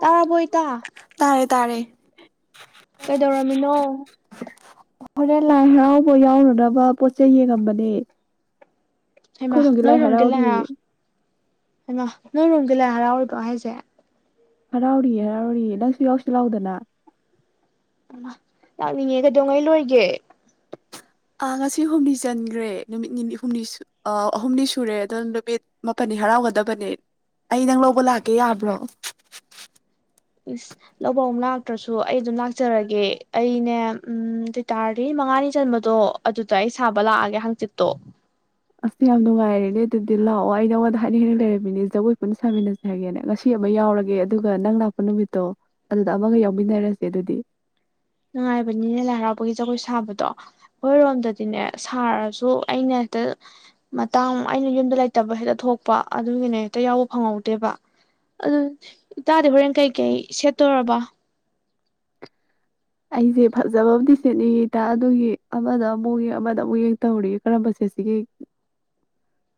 ꯇꯥꯔꯕꯣ ꯏꯇꯥ ꯇꯥꯔꯦ ꯇꯥꯔꯦ ꯀꯩꯗꯧꯔꯝꯃꯤꯅꯣ ꯍꯣꯔꯦꯟ ꯂꯥꯏꯍꯥꯔꯥꯎꯕ ꯌꯥꯎ ꯕ ꯄꯣꯠ ꯆꯩꯩ ꯌꯦꯡ ꯉꯝꯕꯅꯦ ꯍꯩꯃꯥ ꯈꯣꯏꯔꯣꯝꯒꯤ ꯂꯥꯏꯍꯥꯔꯥꯎꯔꯤ ꯌꯦ ꯍꯧꯃꯥ ꯅꯣꯏꯔꯣꯝꯒꯔ ꯂꯥꯏ ꯍꯔꯥꯎꯔꯤꯔꯤꯕꯣ ꯍꯥꯏꯁꯦ ꯍꯔꯥꯎꯔꯤ ꯍꯔꯥꯎꯔꯤ ꯅꯪꯁꯨ ꯌꯥꯎꯁꯤ ꯂꯥꯎꯗꯅ ꯂꯥꯛꯅꯤꯡꯉꯦ ꯀꯩꯗꯧꯉꯩ ꯂꯣꯏꯒꯦ ꯑꯥ ꯉꯁꯤ ꯍꯨꯝꯅꯤ ꯆꯟꯈ꯭ꯔꯦ ꯅꯨꯃꯤꯠ ꯍꯨꯝꯅꯤ ꯑꯍꯨꯝꯅꯤ ꯁꯨꯔꯦ ꯑꯣ ꯅꯨꯃꯤꯠ ꯃꯥꯄꯟꯅꯤ ꯍꯔꯥꯎꯒꯗꯕꯅꯦ ꯑꯩ ꯅꯪ ꯂꯧꯕ ꯂꯥꯛꯀꯦ ꯌꯥꯕ꯭ꯔꯣ ꯏꯁ ꯂꯧꯕꯧ ꯂꯥꯛꯇ꯭ꯔꯁꯨ ꯑꯩ ꯑꯗꯨꯝ ꯂꯥꯛꯆꯔꯒꯦ ꯑꯩꯅꯦ ꯎꯝ ꯑꯗꯨꯑꯣꯏ ꯇꯥꯔꯗꯤ ꯃꯉꯥꯅꯤ ꯆꯟꯕꯗꯣ ꯑꯗꯨꯗ ꯑꯩ ꯁꯥꯕ ꯂꯥꯛꯑꯒꯦ ꯍꯥꯡꯆꯤꯠꯇꯣ ꯑꯁ ꯌꯥꯝ ꯅꯨꯡꯉꯥꯏꯔꯦꯅꯦ ꯑꯗꯨꯗꯤ ꯂꯥꯛꯑꯣ ꯑꯩ ꯅꯪꯉꯣꯟꯗ ꯍꯥꯏꯗꯤ ꯍꯦꯟꯅ ꯂꯩꯔꯝꯃꯤꯅꯦ ꯖꯒꯣꯏ ꯄꯨꯟꯅ ꯁꯥꯃꯤꯟꯅꯁꯦ ꯍꯥꯏꯒꯦꯅꯦ ꯉꯁꯤ ꯑꯃ ꯌꯥꯎꯔꯒꯦ ꯑꯗꯨꯒ ꯅꯪ ꯂꯥꯛꯄ ꯅꯨꯃꯤꯠꯇꯣ ꯑꯗꯨꯗ ꯑꯃꯒ ꯌꯥꯎꯃꯤꯟꯅꯔꯁꯦ ꯑꯗꯨꯗꯤ ꯅꯨꯡꯉꯥꯏꯕꯅꯤꯅꯦ ꯂꯥꯏ ꯍꯔꯥꯎꯕꯒꯤ ꯖꯒꯣꯏ ꯁꯥꯕꯗꯣ ꯑꯩꯈꯣꯏꯔꯣꯝꯗꯗꯤꯅꯦ ꯁꯥꯔꯁꯨ ꯑꯩꯅ ꯍꯦꯛꯇ ꯃꯇꯥꯡ ꯑꯩꯅ ꯌꯨꯝꯗ ꯂꯩꯇꯕ ꯍꯦꯛꯇ ꯊꯣꯛꯄ ꯑꯗꯨꯒꯤꯅꯦ ꯍꯦꯛꯇ ꯌꯥꯎꯕ ꯐꯪꯍꯧꯗꯦꯕ ꯑꯗꯨ ꯏꯇꯥꯗꯤ ꯍꯣꯔꯦꯟ ꯀꯩꯀꯩ ꯁꯦꯠꯇꯣꯏꯔꯕ ꯑꯩꯁꯦ ꯐꯖꯕꯕꯗꯤ ꯁꯦꯠꯅꯤꯡꯉꯦ ꯏꯇꯥ ꯑꯗꯨꯒꯤ ꯑꯃꯗ ꯑꯃꯨꯛ ꯌꯦꯡ ꯑꯃꯗ ꯑꯃꯨꯛ ꯌꯦꯡ ꯇꯧꯔꯤ ꯀꯔꯝꯕ ꯁꯦꯠꯁꯤꯒ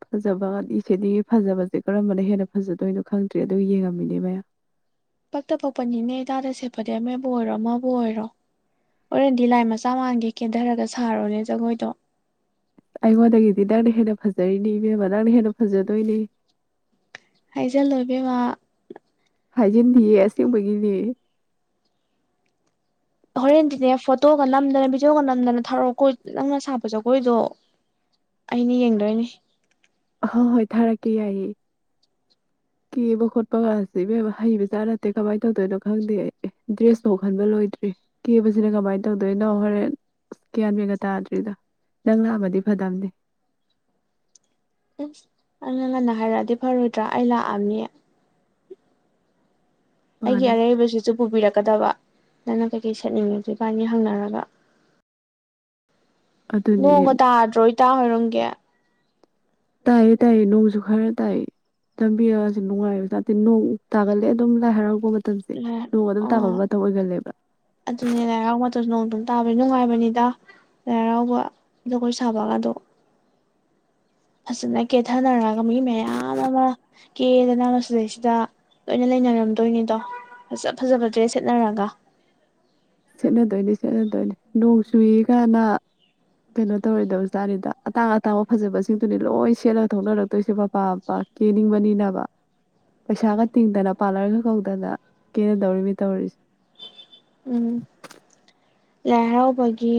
ꯐꯖꯕꯗꯤ ꯁꯦꯠꯅꯤꯡꯉꯦ ꯐꯖꯕꯁꯦ ꯀꯔꯝꯕꯅ ꯍꯦꯟꯅ ꯐꯖꯗꯣꯏꯅꯣ ꯈꯪꯗ꯭ꯔꯤ ꯑꯗꯨ ꯌꯦꯡꯉꯝꯃꯤꯅꯦ ꯃꯌꯥꯝ ꯄꯛꯇ ꯄꯛꯄꯅꯤꯅꯦ ꯏꯇꯥꯗ ꯁꯦꯠꯄꯗꯤ ꯑꯃꯕꯨ ꯑꯣꯏꯔꯣ ꯑꯃꯕꯨ ꯑꯣꯏꯔꯣ ꯍꯔꯦꯟꯗꯤ ꯂꯥꯏ ꯃꯆꯥ ꯃꯥꯟꯒꯩ ꯀꯦꯟꯊꯔꯒ ꯁꯥꯔꯣꯅꯦ ꯖꯒꯣꯏꯗꯣ ꯑꯩꯉꯣꯟꯗꯒꯤꯗꯤ ꯅꯪꯅꯦ ꯍꯦꯟꯅ ꯐꯖ ꯐꯖꯔꯤꯅꯤ ꯏꯕꯦꯝꯕ ꯅꯪꯅ ꯍꯦꯟꯅ ꯐꯖꯗꯣꯏꯅꯤ ꯍꯥꯏꯖꯜꯂꯣ ꯏꯕꯦꯝꯃ ꯍꯥꯏꯖꯟꯗꯤꯌꯦ ꯑꯁꯦꯡꯕꯒꯤꯅꯦ ꯍꯣꯔꯦꯟꯗꯤꯅꯦ ꯐꯣꯇꯣꯒ ꯅꯝꯗꯅ ꯚꯤꯗꯤꯑꯣꯒ ꯅꯝꯗꯅ ꯊꯧꯔꯛ ꯑꯩꯈꯣꯏ ꯅꯪꯅ ꯁꯥꯄ ꯖꯒꯣꯏꯗꯣ ꯑꯩꯅ ꯌꯦꯡꯗꯣꯏꯅꯦ ꯍꯣꯏ ꯍꯣꯏ ꯊꯔꯛꯀꯦ ꯌꯥꯏꯌꯦ ꯀꯦꯕ ꯈꯣꯠꯄꯒꯁꯤ ꯏꯕꯦꯝ ꯍꯩꯕ ꯖꯥꯠ ꯅꯠꯇꯦ ꯀꯃꯥꯏꯅ ꯇꯧꯗꯣꯏꯅꯣ ꯈꯪꯗꯦ ꯑꯩ ꯑꯦ ꯗ꯭ꯔꯦꯁ ꯐꯥꯎꯈꯟꯕ ꯂꯣꯏꯗ꯭ꯔꯤ ꯀꯦꯕꯁꯤꯅ ꯀꯃꯥꯏꯅ ꯇꯧ ꯑꯗꯨꯗꯩꯅ ꯍꯣꯔꯦꯟ ꯑ ꯒ꯭ꯌꯥꯟ ꯃꯦꯟꯒ ꯇꯥꯗ꯭ꯔꯤꯗ ꯅꯪ ꯂꯥꯛꯑꯃꯗꯤ ꯐꯗꯝꯕꯅꯦ ꯑꯁ ꯅꯪꯅ ꯉꯟꯅ ꯍꯥꯏꯔꯛꯑꯗꯤ ꯐꯔꯣꯏꯗ꯭ꯔꯥ ꯑꯩ ꯂꯥꯛꯑꯝꯅꯤ ꯑꯩꯒꯤ ꯃꯥꯅꯦ ꯑꯔꯩꯕꯁꯤꯁꯨ ꯄꯨꯕꯤꯔꯛꯀꯗꯕ ꯅꯪꯅ ꯀꯩꯀꯩ ꯁꯦꯠꯅꯤꯡꯉꯤ ꯏꯕꯥꯅꯤ ꯍꯪꯅꯔꯒ ꯑꯗꯨꯅꯤꯅꯦ ꯉꯣꯡꯒ ꯇꯥꯗꯔꯦ ꯏꯇꯥ ꯍꯣꯏꯔꯣꯝꯒꯤ ꯇꯥꯏꯌꯦ ꯇꯥꯏꯌꯦ ꯅꯣꯡꯁꯨꯨ ꯈꯔ ꯇꯥꯏ ꯂꯝꯕꯤꯔꯒꯁꯨ ꯅꯨꯡꯉꯥꯏꯕꯥꯖꯥ ꯅꯠꯇꯦ ꯅꯣꯡ ꯇꯥꯒꯠꯂꯦ ꯑꯗꯨꯝ ꯂꯥꯏ ꯍꯔꯥꯎꯒꯨꯝꯕ [unintelligible] ꯃꯇꯝꯁꯦ ꯅꯣꯡ ꯑꯗꯨꯝ [unintelligible] ꯑꯥ ꯑꯣꯏꯒꯜꯂꯦꯕ ꯑꯗꯨꯅꯦ ꯂꯥꯏ ꯍꯔꯥꯎꯕ ꯃꯇꯝꯁꯨ ꯅꯣꯡ ꯑꯗꯨꯝ ꯇꯥꯕꯩ ꯅꯨꯡꯉꯥꯏꯕꯅꯤꯗ ꯂꯥꯏ ꯍꯔꯥꯎꯕ ꯖꯒꯣꯏ ꯁꯥꯕꯒꯗꯣ ꯐꯖꯅ ꯀꯦꯊꯅꯔꯒ ꯃꯤ ꯃꯌꯥꯝ ꯑꯃ ꯀꯦꯗꯅ ꯃꯁꯤꯗꯩꯁꯤꯗ ꯂꯣꯏꯅ ꯂꯩꯅꯔꯝꯗꯣꯏꯅꯤꯗꯣ ꯐꯖ ꯐꯖꯕ ꯗ꯭ꯔꯦꯁ ꯁꯦꯠꯅꯔꯒ ꯁꯦꯠꯅꯗꯣꯏꯅꯤ ꯁꯦꯠꯅꯗꯣꯏꯅꯤ ꯅꯣꯡ ꯆꯨꯏ ꯀꯅ ꯀꯩꯅꯣ ꯇꯧꯔꯣꯏꯗꯧꯖꯇꯥꯠꯅꯤꯗ ꯑꯇꯥꯡ ꯑꯇꯥꯡꯕ ꯐꯖꯕꯁꯤꯡꯗꯨꯅꯤ ꯂꯣꯏ ꯁꯦꯠꯂ ꯊꯣꯛꯅꯔꯛꯇꯣꯏꯁꯦ ꯃꯄꯥ ꯃꯄꯥ ꯀꯦꯅꯤꯡꯕꯅꯤꯅꯕ ꯄꯩꯁꯥꯒ ꯇꯤꯡꯗꯅ ꯄꯥꯔꯂꯔꯒ ꯀꯧꯗꯅ ꯀꯦꯟꯅꯗꯧꯔꯤꯅꯤ ꯇꯧꯔꯤꯁꯦ ꯎꯝ ꯂꯥꯏ ꯍꯔꯥꯎꯕꯒꯤ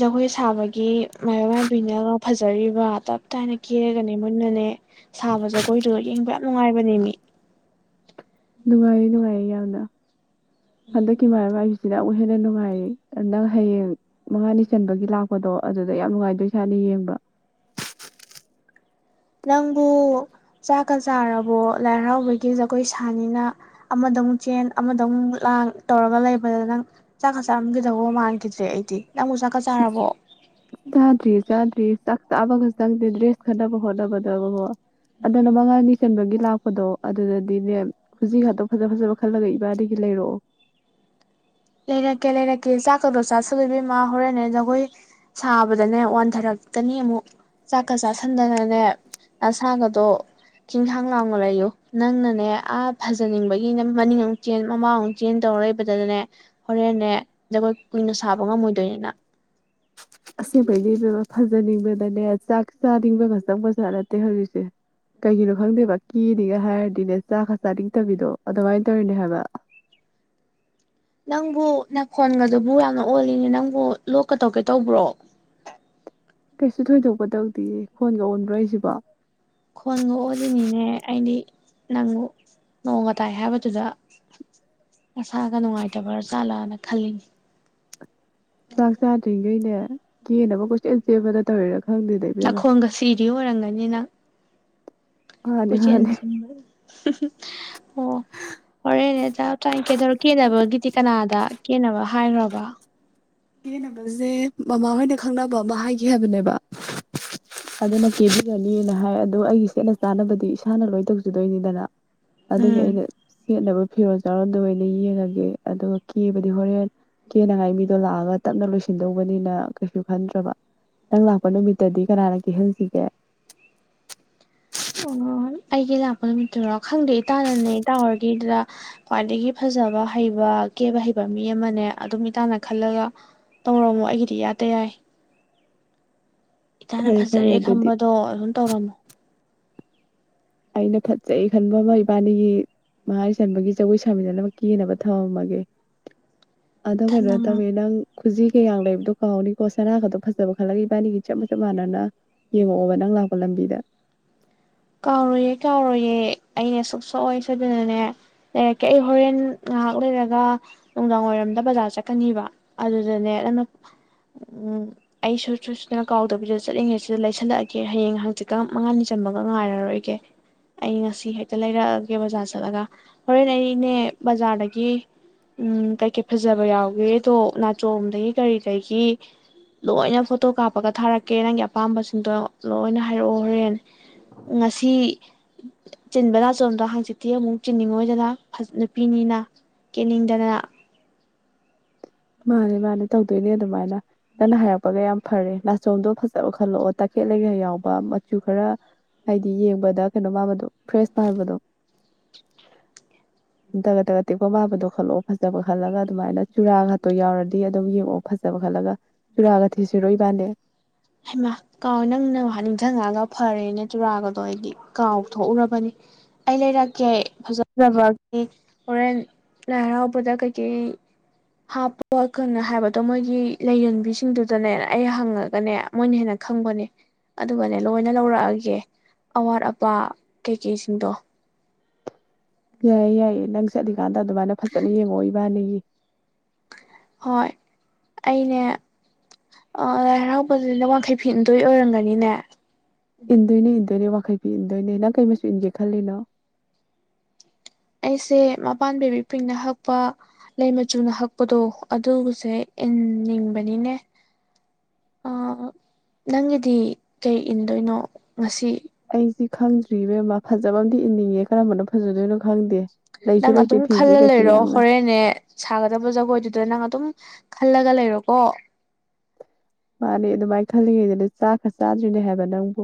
ꯖꯒꯣꯏ ꯁꯥꯕꯒꯤ ꯃꯥꯏꯕ ꯃꯥꯏꯕꯤꯅꯒ ꯐꯖꯔꯤꯕ ꯇꯞ ꯇꯥꯏꯅ ꯀꯦꯔꯒꯅꯦ ꯃꯨꯟꯅꯅꯦ ꯁꯥꯕ ꯖꯒꯣꯏꯗꯨꯗ ꯌꯦꯡꯕ ꯌꯥꯝ ꯅꯨꯡꯉꯥꯏꯕꯅꯦꯃꯤ ꯅꯨꯡꯉꯥꯏꯌꯦ ꯅꯨꯡꯉꯥꯏꯌꯦ ꯌꯥꯝꯅ ꯍꯟꯗꯛꯀꯤ ꯃꯥꯏꯕꯥ ꯃꯥꯏꯕꯤꯁꯤꯅ ꯑꯃꯨꯛ ꯍꯦꯟꯅ ꯅꯨꯡꯉꯥꯏꯔꯤ ꯅꯪ ꯍꯌꯦꯡ ꯃꯉꯥꯅꯤ ꯆꯟꯕꯒꯤ ꯂꯥꯛꯄꯗꯣ ꯑꯗꯨꯗ ꯌꯥꯝ ꯅꯨꯡꯉꯥꯏꯗꯣꯏ ꯖꯥꯠꯅꯤ ꯌꯦꯡꯕ ꯅꯪꯕꯨ ꯆꯥꯛꯀ ꯆꯥꯔꯕꯣ ꯂꯥꯏ ꯍꯔꯥꯎꯕꯒꯤ ꯖꯒꯣꯏ ꯁꯥꯅꯤꯅ ꯑꯃꯗ ꯑꯃꯨꯛ ꯆꯦꯟ ꯑꯃꯗ ꯑꯃꯨꯛ ꯂꯥꯡ ꯇꯧꯔꯒ ꯂꯩꯕꯗ ꯅꯪ ꯆꯥꯛꯀ ꯆꯥꯔꯝꯈꯤꯗꯧꯕ ꯃꯥꯟꯈꯤꯗ꯭ꯔꯦ ꯑꯩꯗꯤ ꯅꯪꯕꯨ ꯆꯥꯛꯀ ꯆꯥꯔꯕꯣ ꯆꯥꯗ꯭ꯔꯤ ꯆꯥꯗ꯭ꯔꯤ ꯆꯥꯛ ꯆꯥꯕꯒ ꯆꯪꯗꯦ ꯗ꯭ꯔꯦꯁ ꯈꯟꯅꯅꯕ ꯍꯣꯠꯅꯕꯗ ꯑꯗꯨꯗꯅ ꯃꯉꯥꯅꯤ ꯆꯟꯕꯒꯤ ꯂꯥꯛꯄꯗꯣ ꯑꯗꯨꯗꯗꯤꯅꯦ ꯈꯨꯖꯤ ꯉꯥꯛꯇ ꯐꯖ ꯐꯖꯕ ꯈꯜꯂꯒ ꯏꯕꯥꯟꯅꯤꯒꯤ ꯂꯩꯔꯛꯑꯣ ꯂꯩꯔꯛꯀꯦ ꯂꯩꯔꯛꯀꯦ ꯆꯥꯛ ꯆꯥꯛꯀꯗꯣ ꯆꯥꯁꯟꯂꯦ ꯏꯕꯦꯝꯃ ꯍꯣꯔꯦꯟꯅꯦ ꯖꯒꯣꯏ ꯁꯥꯕꯗꯅꯦ ꯋꯥꯟꯊꯔꯀꯅꯤ ꯑꯃꯨꯛ ꯆꯥꯛꯀ ꯆꯥꯥꯁꯟꯗꯅꯅꯦ ꯅꯁꯥꯒꯗꯣ ꯆꯤꯡꯁꯥꯡ ꯂꯥꯡꯅ ꯂꯩꯌꯨ ꯅꯪꯅꯅꯦ ꯑꯥ ꯐꯖꯅꯤꯡꯕꯒꯤꯅꯦ ꯃꯅꯤꯡ ꯑꯃꯨꯛ ꯆꯦꯟ ꯃꯃꯥꯡꯃꯨꯛ ꯆꯦꯟ ꯇꯧꯔ ꯂꯩꯕꯗꯗꯅꯦ ꯍꯣꯔꯦꯟꯅꯦ ꯖꯒꯣꯏ ꯀꯨꯏꯅ ꯁꯥꯕ ꯉꯝꯃꯣꯏꯗꯣꯏꯅꯤ ꯅꯪ ꯑꯁꯦꯡꯕꯩꯅꯦ ꯏꯕꯦꯝꯃ ꯐꯖꯅꯤꯡꯕꯗꯅꯦ ꯆꯥꯛ ꯆꯥꯅꯤꯡꯕ ꯖꯥꯠ ꯅꯠꯇꯦ ꯍꯧꯖꯤꯛꯁꯦ ꯀꯩꯒꯤꯅꯣ ꯈꯪꯗꯦꯕ ꯀꯦꯅꯤꯒ ꯍꯥꯏꯔꯗꯤꯅꯦ ꯆꯥꯛ ꯀ ꯆꯥꯅꯤꯡꯗꯕꯤꯗꯣ ꯑꯗꯨꯃꯥꯏꯅ ꯇꯧꯔꯤꯅꯦ ꯍꯥꯏꯕ ꯅꯪꯕꯨ ꯅꯥꯈꯣꯟꯒꯗꯨꯕꯨ ꯌꯥꯝꯅ ꯑꯣꯜꯂꯤꯅꯦ ꯅꯪꯕꯨ ꯂꯣꯛꯀ ꯇꯧꯒꯦ ꯇꯧꯕ꯭ꯔꯣ ꯀꯩꯁꯨ ꯊꯣꯏꯗꯣꯛꯄꯇꯧꯗꯤꯌꯦ ꯈꯣꯟꯒ ꯑꯣꯟꯕ꯭ꯔꯣ ꯑꯩꯁꯤꯕꯣ ꯈꯣꯟꯒ ꯑꯣꯜꯂꯤꯅꯤꯅꯦ ꯑꯩꯗꯤ ꯅꯪ ꯅꯣꯡꯒ ꯇꯥꯏ ꯍꯥꯏꯕꯗꯨꯗ ꯃꯁꯥꯒ ꯅꯨꯡꯉꯥꯏꯇꯕ ꯖꯥꯠꯂꯥꯅ ꯈꯜꯂꯤꯅꯦ ꯆꯥꯛ ꯆꯥ ꯗꯔꯤꯒꯩꯅꯦ ꯀꯦꯅꯥꯕ ꯀꯣꯏꯆꯦꯟ ꯆꯦꯟꯕꯗ ꯇꯧ ꯅꯥꯈꯣꯟꯒ ꯁꯤꯔꯤ ꯑꯣꯏꯔꯝꯒꯅꯤ ꯅꯪ ꯃꯥꯅꯤ ꯀꯣꯏꯆꯦꯟ ꯃꯥꯅꯤ ꯆꯦꯟꯕꯗ ꯍꯨꯝ ꯍꯨꯝ ꯑꯣ ꯍꯣꯔꯦꯟꯅꯦ ꯇꯞ ꯇꯥꯏꯟ ꯀꯦꯊꯣꯔꯣꯛ ꯀꯦꯅꯕꯒꯤꯗꯤ ꯀꯅꯥꯗ ꯀꯦꯅꯕ ꯍꯥꯏꯒ꯭ꯔꯕ ꯀꯦꯅꯕꯖꯦ ꯃꯃꯥꯍꯣꯏꯅ ꯈꯪꯅꯕ ꯑꯃ ꯍꯥꯏꯒꯤ ꯍꯥꯏꯕꯅꯦꯕ ꯑꯗꯨꯅ ꯀꯦꯕꯤꯔꯅꯤꯅ ꯍꯥꯏ ꯑꯗꯣ ꯑꯩꯒꯤ ꯁꯦꯠꯅ ꯆꯥꯅꯕꯗꯤ ꯏꯁꯥꯅ ꯂꯣꯏꯅ ꯇꯧꯖꯗꯣꯏꯅꯤꯗꯅ ꯑꯗꯨꯒꯤ ꯎꯝ ꯑꯩꯅ ꯁꯦꯠꯅꯕ ꯐꯤꯔꯣꯜ ꯆꯥꯔꯣꯜꯗꯣ ꯑꯣꯏꯅ ꯌꯦꯡꯉꯒꯦ ꯑꯗꯨꯒ ꯀꯦꯕꯗꯤ ꯍꯣꯔꯦꯟ ꯀꯦꯅꯉꯥꯏ ꯃꯤꯗꯣ ꯂꯥꯛꯑꯒ ꯓ ꯇꯞꯅ ꯂꯣꯏꯁꯤꯟꯗꯧꯕꯅꯤꯅ ꯀꯩꯁꯨ ꯈꯟꯗ꯭ꯔꯕ ꯅꯪ ꯂꯥꯛꯄ ꯅꯨꯃꯤꯠꯇꯗꯤ ꯀꯅꯥꯅ ꯀꯦꯍꯟꯁꯤꯒꯦ ꯑꯣ ꯑꯩꯒꯤ ꯂꯥꯛꯄ ꯅꯨꯃꯤꯠꯇꯨꯔꯣ ꯈꯪꯗꯦ ꯏꯇꯥꯅꯅꯦ ꯏꯇꯥꯍꯣꯏꯒꯤꯗꯨꯗ ꯈ꯭ꯋꯥꯏꯗꯒꯤ ꯐꯖꯕ ꯍꯩꯕ ꯀꯦꯕ ꯍꯩꯕ ꯃꯤ ꯑꯃꯅꯦ ꯑꯗꯨꯝ ꯏꯇꯥꯥꯟꯅ ꯈꯜꯂꯒ ꯇꯧꯔꯝꯃꯣ ꯑꯩꯒꯤꯗꯤ ꯏꯌꯥꯗ ꯌꯥꯏ ꯏꯇꯥꯅ ꯐꯔꯦ ꯐꯔꯦ ꯐꯖꯔꯦ ꯑꯗꯨꯗꯤ ꯈꯟꯕꯗꯣ ꯑꯗꯨꯝ ꯇꯧꯔꯝꯃꯣ ꯑꯩꯅ ꯐꯖꯩ ꯈꯟꯕ ꯑꯃ ꯏꯕꯥꯏꯅꯤꯒꯤ ꯃꯉꯥꯅꯤ ꯆꯟꯕꯒꯤ ꯖꯒꯣꯏ ꯁꯥꯃꯤꯟꯅꯅꯕ ꯀꯦꯅꯕ ꯊꯃꯝ ꯃꯒꯦ ꯑꯗꯣ ꯀꯩꯅꯣ ꯇꯧꯋꯦ ꯅꯪ ꯈꯨꯖꯤ ꯀꯌꯥꯡ ꯂꯩꯕꯗꯣ ꯀꯥꯎꯅꯤ ꯍꯣ ꯁꯅꯥ ꯒꯗꯣ ꯐꯖꯕ ꯈꯜꯂꯒ ꯏꯕꯥꯅꯤꯒꯤ ꯆꯞꯃ ꯆꯞ ꯃꯥꯟꯅꯅ ꯌꯦꯡꯉꯛꯑꯣꯕ ꯅꯪ ꯂꯥꯛꯄ ꯂꯝꯕꯤꯗ ꯀꯥꯎꯔꯣꯏꯌꯦ ꯀꯥꯎꯔꯣꯏꯌꯦ ꯑꯩꯅꯦ ꯁꯨꯛꯁꯣꯏ ꯁꯣꯏꯗꯅꯅꯦ ꯂꯩꯔꯛꯀꯦ ꯑꯩ ꯍꯣꯔꯦꯟ ꯉꯥꯏꯍꯥꯛ ꯂꯩꯔꯒ ꯅꯨꯡꯗꯥꯡ ꯋꯥꯏꯔꯝꯗ ꯕꯖꯥꯔ ꯆꯠꯀꯅꯤꯕ ꯑꯗꯨꯗꯅꯦ ꯅꯪꯅ ꯎꯝ ꯑꯩ ꯁꯨꯡꯁꯣꯏ ꯁꯣꯏꯗꯅ ꯀꯥꯎꯗꯕꯤꯗ ꯆꯠꯂꯤꯉꯩ ꯁꯤꯗ ꯂꯩꯁꯜꯂꯛꯑꯒꯦ ꯍꯌꯦꯡ ꯍꯪꯆꯤꯠꯀ ꯃꯉꯥꯅꯤ ꯆꯕ ꯉꯥꯏꯔꯔꯣꯏꯒꯦ ꯑꯩ ꯉꯁꯤ ꯍꯦꯛꯇ ꯂꯩꯔꯛꯑꯒꯦ ꯕꯖꯥꯔ ꯆꯠꯂꯒ ꯍꯣꯔꯦꯟ ꯑꯩꯅꯦ ꯕꯖꯥꯔꯗꯒꯤ ꯎꯝ ꯀꯩꯀꯩ ꯐꯖꯕ ꯌꯥꯎꯒꯦꯗꯣ ꯅꯥꯆꯣꯝ ꯗꯩ ꯀꯔꯤ ꯀꯩꯒꯤ ꯂꯣꯏꯅ ꯐꯣꯇꯣ ꯀꯥꯞꯄꯒ ꯊꯥꯔꯛꯀꯦ ꯅꯪꯒꯤ ꯑꯄꯥꯝꯕꯁꯤꯡꯗꯣ ꯂꯣꯏꯅ ꯍꯥꯏꯔꯛꯑꯣ ꯍꯣꯔꯦꯟ ꯉꯥꯁꯤ ꯆꯤꯟꯕ ꯅꯥꯆꯣꯝꯗꯣ ꯍꯥꯡꯆꯤꯠꯇꯤ ꯑꯃꯨꯛ ꯆꯤꯟꯅꯤꯡꯉꯛ ꯑꯣꯏꯗꯅ ꯐꯖ ꯅꯨꯄꯤꯅꯤꯅ ꯀꯦꯟꯅꯤꯡꯗꯅ ꯃꯥꯅꯦ ꯃꯥꯅꯦ ꯇꯧꯗꯣꯏꯅꯦ ꯑꯗꯨꯃꯥꯏꯅ ꯅꯪꯅ ꯍꯥꯏꯔꯛꯄꯒ ꯌꯥꯝ ꯐꯔꯦ ꯅꯥꯆꯣꯝꯗꯣ ꯐꯖꯕ ꯈꯜꯂꯛꯑꯣ ꯇꯈꯦꯠꯂꯩꯒ ꯌꯥꯎꯕ ꯑꯝ ꯃꯆꯨ ꯈꯔ ꯍꯥꯏꯗꯤ ꯌꯦꯡꯕꯗ ꯀꯩꯅꯣ ꯃꯥꯟꯕꯗꯣ ꯐ꯭ꯔꯦꯁ ꯃꯥꯟꯕꯗꯣ ꯇꯒꯠ ꯇꯒꯠ ꯇꯦꯛꯄ ꯃꯥꯟꯕꯗꯣ ꯈꯜꯂꯛꯑꯣ ꯐꯖꯕ ꯈꯜꯂꯒ ꯑꯗꯨꯃꯥꯏꯅ ꯆꯨꯔꯥꯒ ꯇꯣ ꯌꯥꯎꯔꯗꯤ ꯑꯗꯨꯝ ꯌꯦꯡꯉꯛꯑꯣ ꯐꯖꯕ ꯈꯠꯂꯒ ꯆꯨꯔꯥꯒ ꯊꯦꯠꯁꯤꯔꯣ ꯏꯕꯥꯏꯅꯤ ꯍꯩꯃꯥ ꯀꯥꯎꯋꯦ ꯅꯪꯅ ꯅꯤꯡꯁꯤꯡꯉꯛꯑꯒ ꯐꯔꯦꯅ ꯆꯨꯔꯥꯒꯗꯣ ꯑꯩꯗꯤ ꯀꯥꯎ ꯊꯣꯛꯎꯔꯕꯅꯤ ꯑꯩ ꯂꯩꯔꯛꯀꯦ ꯐꯖ ꯐꯖꯕꯒꯤ ꯍꯣꯔꯦꯟ ꯂꯥꯏ ꯍꯔꯥꯎꯕꯗ ꯀꯩꯀꯩ ꯍꯥꯞꯄꯛꯀꯅꯦ ꯍꯥꯏꯕꯗꯣ ꯃꯣꯏꯒꯤ ꯂꯩꯔꯟꯕꯤꯁꯤꯡꯗꯨꯗꯅꯦ ꯑꯩ ꯍꯪꯉꯒꯅꯦ ꯃꯣꯏꯅ ꯍꯦꯟꯅ ꯈꯪꯕꯅꯦ ꯑꯗꯨꯒꯅꯦ ꯂꯣꯏꯅ ꯂꯧꯔꯛꯑꯒꯦ ꯑꯋꯥꯠ ꯑꯄꯥ ꯀꯩ ꯀꯩꯁꯤꯡꯗꯣ ꯌꯥꯏꯌꯦ ꯌꯥꯏꯌꯦ ꯅꯪꯁ ꯆꯠꯂꯨ ꯀꯟꯗ ꯑꯗꯨꯃꯥꯏꯅ ꯐꯖꯅ ꯌꯦꯡꯉꯛꯑꯣ ꯏꯕꯅꯒꯤ ꯍꯣꯏ ꯑꯩꯅꯦ ꯑꯥ ꯂꯥꯏ ꯍꯔꯥꯎꯕꯗꯨꯗꯤ ꯋꯥꯡꯈꯩ ꯐꯤ ꯏꯟꯗꯣꯏ ꯑꯣꯏꯔꯝꯒꯅꯤꯅꯦ ꯏꯟꯗꯣꯏꯅꯦ ꯏꯟꯗꯣꯏꯅꯦ ꯋꯥꯡꯈꯩ ꯏꯟꯗꯣꯏꯅꯦ ꯅꯪ ꯀꯩ ꯃꯆꯨ ꯏꯟꯒꯦ ꯈꯜꯂꯤꯅꯣ ꯑꯩꯁꯦ ꯃꯄꯥꯟ ꯕꯕꯤ ꯄꯤꯡꯅ ꯍꯛꯄ ꯂꯩ ꯃꯆꯨꯅ ꯍꯛꯄꯗꯣ ꯑꯗꯨꯒꯁꯦ ꯏꯟꯅꯤꯡꯕꯅꯤꯅꯦ ꯑ ꯅꯪꯒꯤꯗꯤ ꯀꯩ ꯏꯟꯗꯣꯏꯅꯣ ꯉꯁꯤ ꯑꯩꯖꯤ ꯈꯪꯗ꯭ꯔꯤ ꯏꯕꯦꯝꯃ ꯐꯖꯕ ꯑꯝꯗꯤ ꯏꯟꯅꯤꯡꯉꯦ ꯀꯔꯝꯕꯅ ꯐꯖꯗꯣꯏꯅꯣ ꯈꯪꯗꯦ ꯂꯩꯁꯨ ꯅꯪ ꯂꯩꯇꯦ ꯑꯗꯨꯝ ꯐꯤꯁꯦ ꯈꯜꯂ ꯀꯩꯁꯨ ꯂꯩꯔꯣ ꯌꯥꯝꯅ ꯍꯣꯔꯦꯟꯅꯦ ꯁꯥꯒꯗꯕ ꯖꯒꯣꯏꯗꯨꯗ ꯅꯪ ꯑꯗꯨꯝ ꯈꯜꯂꯒ ꯂꯩꯔꯣꯀꯣ ꯃꯥꯅꯦ ꯑꯗꯨꯃꯥꯏ ꯈꯜꯂꯤꯉꯩꯗꯅꯦ ꯆꯥꯛ ꯆꯥꯗ꯭ꯔꯤꯅꯦ ꯍꯥꯏꯕ ꯅꯪꯕꯨ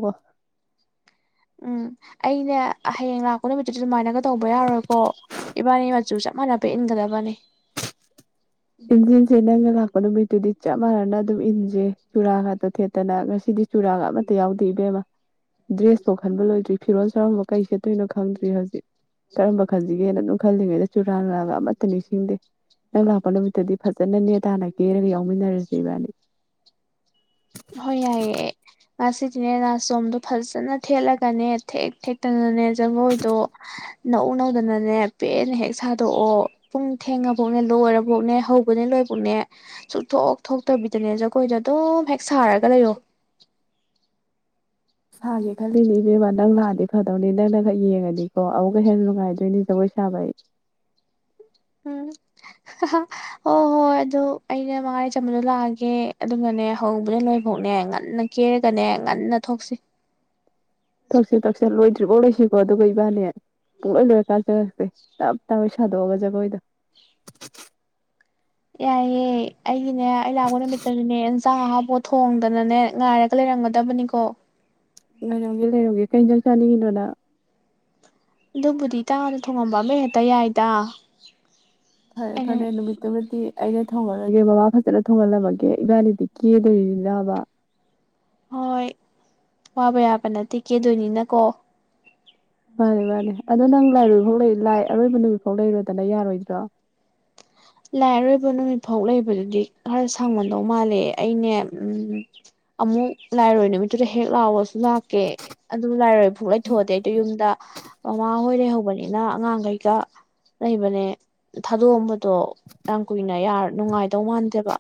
ꯎꯝ ꯑꯩꯅꯦ ꯍꯌꯦꯡ ꯂꯥꯛꯄ ꯅꯨꯃꯤꯠꯇꯨꯗ ꯑꯗꯨꯃꯥꯏꯅꯒ ꯇꯧꯕ ꯌꯥꯔꯣꯏꯀꯣ ꯏꯕꯥꯅꯤ ꯃꯆꯨ ꯆꯞ ꯃꯥꯟꯅꯕ ꯏꯟꯒꯗꯕꯅꯦ ꯏꯟꯖꯦ ꯏꯟꯖꯦ ꯅꯪꯅ ꯂꯛ ꯄ ꯅꯨꯃꯤꯠꯇꯨꯗꯤ ꯆꯞ ꯃꯥꯟꯅꯅ ꯑꯗꯨꯝ ꯏꯟꯖꯦ ꯆꯨꯔꯥ ꯉꯠꯇ ꯊꯦꯠꯇꯅ ꯉꯁꯤꯗꯤ ꯆꯨꯔꯥꯒ ꯑꯃꯠꯇ ꯌꯥꯎꯗꯦ ꯏꯕꯦꯝꯃ ꯗ꯭ꯔꯦꯁꯐꯧ ꯈꯟꯕ ꯂꯣꯏꯗ꯭ꯔꯤ ꯐꯤꯔꯣꯜ ꯁꯣꯔꯝꯕ ꯀꯩ ꯁꯦꯠꯇꯣꯏꯅꯣ ꯈꯪꯗ꯭ꯔꯤ ꯍꯧꯖꯤꯛ ꯀꯔꯝꯕ ꯈꯟꯖꯤꯒꯦꯅ ꯗꯨꯝ ꯈꯜꯂꯤꯉꯩꯗ ꯆꯨꯔꯥꯟ ꯂꯥꯒ ꯑꯃꯠꯇ ꯅꯤꯡꯁꯤꯡꯗꯦ ꯅꯪꯂꯥ ꯄꯅꯨꯃꯤꯠꯇꯨꯗꯤ ꯐꯖꯅ ꯅꯦ ꯇꯥꯅ ꯀꯦꯔꯒ ꯌꯥꯎꯃꯤꯟꯅꯔꯖꯦ ꯏꯕꯥꯅꯤ ꯍꯣꯏ ꯌꯥꯏꯌꯦ ꯉꯁꯤꯖꯨꯅꯦ ꯅꯥꯆꯣꯝꯗꯣ ꯐꯖꯅ ꯊꯦꯠꯂꯒꯅꯦ ꯊꯦꯛ ꯊꯦꯛꯇꯅꯅꯦ ꯖꯒꯣꯏꯗꯣ ꯅꯧ ꯅꯧꯗꯅꯅꯦ ꯄꯦꯟꯅ ꯍꯦꯛ ꯁꯥꯗꯣꯛꯑꯣ ꯄꯨꯡ ꯊꯦꯡꯉꯕꯧꯅꯦ ꯂꯣꯏꯔꯕꯧꯅꯦ ꯍꯧꯕꯅꯦ ꯂꯣꯏꯕꯧꯅꯦ ꯁꯨꯛꯊꯣꯛ ꯊꯣꯛꯇꯕꯤꯗꯅꯦ ꯖꯒꯣꯏꯗꯣ ꯑꯗꯨꯝ ꯍꯦꯛ ꯁꯥꯔꯒ ꯂꯩꯔꯣ ꯁꯥꯒꯦ ꯈꯜꯂꯤꯅꯦ ꯏꯕꯦꯝꯃ ꯅꯪ ꯂꯥꯛꯑꯗꯤ ꯐꯗꯧꯅꯦ ꯅꯪꯅ ꯈꯛ ꯌꯦꯡꯉꯗꯤ ꯀꯣ ꯑꯃꯨꯛꯀ ꯍꯦꯟꯅ ꯅꯨꯡꯉꯥꯏꯗꯣꯏꯅꯦ ꯖꯒꯣꯏ ꯁꯥꯕ ꯑꯩ ꯎꯝ ꯑꯍꯥꯍ ꯍꯣꯏ ꯍꯣꯏ ꯑꯗꯨ ꯑꯩꯅ ꯃꯉꯥꯅꯤ ꯆꯝꯕꯗꯣ ꯂꯥꯛꯑꯒꯦ ꯑꯗꯨꯒꯅꯦ ꯍꯧꯕꯗꯩ ꯂꯣꯏꯕꯧꯅꯦ ꯉꯟꯅ ꯀꯦꯔꯒꯅꯦ ꯉꯟꯅ ꯊꯣꯛꯁꯤ ꯊꯛꯁꯦ ꯊꯛꯁꯦ ꯂꯣꯏꯗ ꯗ꯭ꯔꯤꯕꯧ ꯂꯩꯁꯤꯀꯣ ꯑꯗꯨꯒ ꯏꯕꯥꯅꯦ ꯄꯨꯡꯂꯣꯏ ꯂꯣꯏꯔ ꯀꯥꯟꯗ ꯁꯦ ꯇꯞ ꯇꯥꯒꯩ ꯁꯥꯗꯣꯛꯑꯒ ꯖꯒꯣꯏꯗꯣ ꯌꯥꯏꯌꯦ ꯑꯩ ꯒꯤꯅꯦ ꯑꯩ ꯂꯥꯛꯄ ꯅꯨꯃꯤꯠꯇꯖꯨꯅꯦ ꯏꯁ ꯆꯥꯡ ꯑꯍꯥꯎꯕꯒ ꯊꯣꯡꯗꯅꯅꯦ ꯉꯥꯏꯔꯒ ꯂꯩꯔꯝꯒꯗꯕꯅꯤꯀꯣ ꯉꯥꯏꯔꯝꯒꯦ ꯂꯩꯔꯝꯒꯦ ꯀꯩ ꯏꯟꯖꯥꯡ ꯆꯥꯅꯤꯡꯉꯤꯅꯣ ꯅꯪ ꯑꯗꯨꯕꯨꯗꯤ ꯏꯇꯥ ꯍꯣꯏꯗ ꯊꯣꯡꯉꯝꯕ ꯑꯃ ꯍꯦꯛꯇ ꯌꯥꯏꯗ ꯐꯔꯦ ꯑꯩꯅ ꯐꯔꯦ ꯅꯨꯃꯤꯠꯇꯨꯃꯗꯤ ꯑꯩꯅ ꯊꯣꯡꯉꯔꯣꯏꯒꯦ ꯃꯃꯥ ꯐꯖꯅ ꯊꯣꯡꯍꯜꯂꯝꯃꯒꯦ ꯏꯕꯥꯅꯤꯗꯤ ꯀꯦꯗꯣꯔꯤꯅꯤꯅꯥꯕ ꯍꯣꯏ ꯋꯥꯕ ꯌꯥꯕ ꯅꯠꯇꯦ ꯀꯦꯗꯣꯏꯅꯤꯅꯀꯣ ꯃꯥꯅꯦ ꯃꯥꯅꯦ ꯑꯗꯣ ꯅꯪ ꯂꯥꯏꯔꯣꯏꯕꯧ ꯂꯩ ꯂꯥꯏ ꯑꯔꯣꯏꯕ ꯅꯨꯃꯤꯠ ꯐꯥꯎ ꯂꯩꯔꯣꯗꯅ ꯌꯥꯔꯣꯏꯗ꯭ꯔꯣ ꯂꯥꯏ ꯑꯔꯣꯏꯕ ꯅꯨꯃꯤꯠ ꯐꯥꯎ ꯂꯩꯕꯗꯨꯗꯤ ꯈꯔ ꯁꯪꯃꯟꯗꯧ ꯃꯥꯜꯂꯦ ꯑꯩꯅꯦ ꯎꯝ ꯑꯃꯨꯛ ꯂꯥꯏꯔꯣꯏ ꯅꯨꯃꯤꯠꯇꯨꯗ ꯍꯦꯛ ꯂꯥꯎꯕꯁꯨ ꯂꯥꯛꯀꯦ ꯑꯗꯨ ꯂꯥꯏꯔꯣꯏꯕ ꯐꯨꯛ ꯂꯩꯊꯣꯛꯑꯗꯦ ꯑꯗꯨ ꯌꯨꯝꯗ ꯃꯥꯃ ꯑꯩꯍꯣꯏ ꯂꯩꯍꯧꯕꯅꯤꯅ ꯑꯉꯥꯡꯈꯩꯀꯥ ꯂꯩꯕꯅꯦ ꯊꯥꯗꯣꯛꯑꯝꯕꯗꯣ ꯌꯥꯝ ꯀꯨꯏꯅ ꯌꯥꯔ ꯅꯨꯡꯉꯥꯏꯗꯧ ꯃꯥꯟꯗꯦꯕ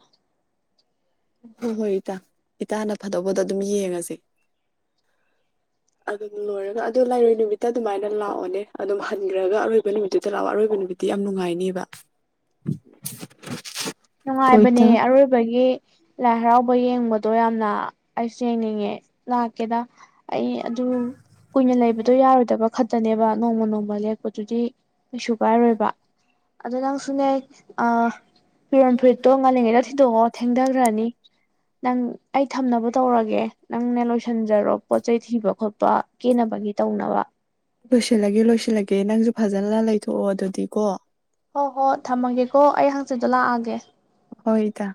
ꯍꯣꯏ ꯍꯣꯏ ꯏꯇꯥ ꯏꯇꯥꯅ ꯐꯗꯧꯕꯗꯣ ꯑꯗꯨꯝ ꯌꯦꯡꯉꯁꯦ ꯑꯗꯨꯝ ꯂꯣꯏꯔꯒ ꯑꯣ ꯂꯥꯏꯔꯣꯏ ꯅꯨꯃꯤꯠꯇ ꯑꯗꯨꯃꯥꯏꯅ ꯂꯥꯛꯑꯣꯅꯦ ꯑꯗꯨꯝ ꯍꯟꯈ꯭ꯔꯒ ꯑꯔꯣꯏꯕ ꯅꯨꯃꯤꯠꯇꯨꯗ ꯂꯥꯛꯑꯣ ꯑꯔꯣꯏꯕ ꯅꯨꯃꯤꯠꯇꯤ ꯌꯥꯝ ꯅꯨꯡꯉꯥꯏꯅꯦꯕ ꯅꯨꯡꯉꯥꯏꯕꯅꯦ ꯑꯔꯣꯏꯕꯒꯤ ꯂꯥꯏ ꯍꯔꯥꯎꯕ ꯌꯦꯡꯕꯗꯣ ꯌꯥꯝꯅ ꯑꯩꯁ ꯨꯌꯦꯡꯅꯤꯡꯉꯦ ꯂꯥꯛꯀꯦꯗ ꯑꯩ ꯑꯗꯨ ꯀꯨꯏꯅ ꯂꯩꯕꯗꯣ ꯌꯥꯔꯣꯏꯗꯕ ꯈꯛꯇꯅꯦꯕ ꯅꯣꯡꯃ ꯅꯣꯡꯃ ꯂꯦꯛꯄꯗꯨꯗꯤ ꯀꯩꯁꯨ ꯀꯥꯏꯔꯣꯏꯕ ꯑꯗꯣ ꯅꯪꯁꯨꯅꯦ ꯑ ꯐꯤꯔꯣꯟ ꯐꯨꯔꯤꯠꯇꯣ ꯉꯜꯂꯤꯉꯩꯗ ꯊꯤꯗꯣꯛꯑꯣ ꯊꯦꯡꯗꯒ꯭ꯔꯅꯤ ꯅꯪ ꯑꯩ ꯊꯝꯅꯕ ꯇꯧꯔꯒꯦ ꯅꯪꯅꯦ ꯂꯣꯏꯁꯤꯟꯖꯔꯣ ꯄꯣꯠ ꯆꯩ ꯊꯤꯕ ꯈꯣꯠꯄ ꯀꯦꯅꯕꯒꯤ ꯇꯧꯅꯕ ꯂꯣꯏꯁꯤꯜꯂꯒꯦ ꯂꯣꯏꯁꯤꯜꯂꯒꯦ ꯅꯪꯁꯨ ꯐꯖꯅ ꯂꯩꯊꯣꯛꯑꯣ ꯑꯗꯨꯗꯤꯀꯣ ꯍꯣꯏ ꯍꯣꯏ ꯊꯝꯃꯒꯦꯀꯣ ꯑꯩ ꯍꯪꯆꯤꯗꯣ ꯂꯥꯛꯑꯒꯦ ꯍꯣꯏ ꯢꯇꯥ